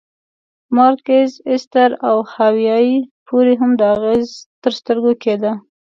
مارکیز، ایستر او هاوایي پورې هم دا اغېز تر سترګو کېده.